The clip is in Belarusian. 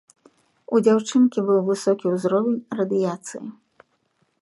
У дзяўчынкі быў высокі ўзровень радыяцыі.